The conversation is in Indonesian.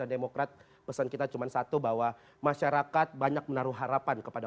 dan demokrat pesan kita cuman satu bahwa masyarakat banyak menaruh harapan kepada